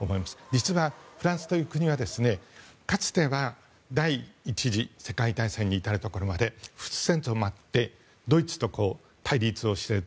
実は、フランスという国はかつては第１次世界大戦に至るところまでドイツと対立をしている。